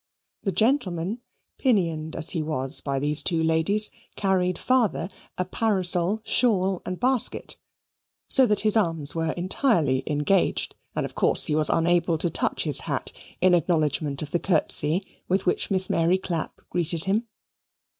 The gentleman, pinioned as he was by these two ladies, carried further a parasol, shawl, and basket, so that his arms were entirely engaged, and of course he was unable to touch his hat in acknowledgement of the curtsey with which Miss Mary Clapp greeted him.